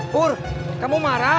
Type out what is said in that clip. pur kamu marah